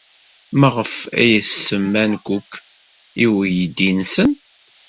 Maɣef ay as-semman Cook i uydi-nsen?